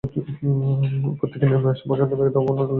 ওপর থেকে নেমে আসা প্রচণ্ড বেগে ধাবমান জলরাশি দেখে পর্যটকেরা মুগ্ধ হয়।